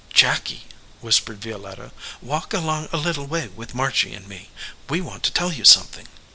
"Jacky," whispered Violetta, "walk along a little way with Margy and me. We want to tell you something."